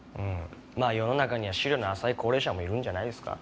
世の中には思慮の浅い高齢者もいるんじゃないですか？